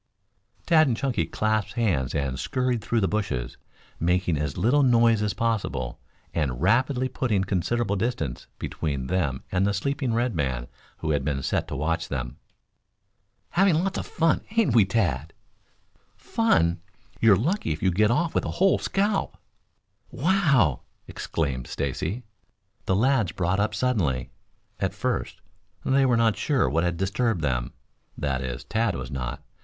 Tad and Chunky clasped hands and scurried through the bushes, making as little noise as possible, and rapidly putting considerable distance between them and the sleeping red man who had been set to watch them. "Having lots of fun, ain't we, Tad?" "Fun! You're lucky if you get off with a whole scalp " "Wow!" exclaimed Stacy. The lads brought up suddenly. At first they were not sure what had disturbed them, that is, Tad was not.